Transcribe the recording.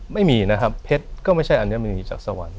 ไม่มีนะครับเพชรก็ไม่ใช่อันนี้ไม่มีจากสวรรค์